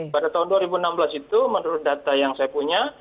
pada tahun dua ribu enam belas itu menurut data yang saya punya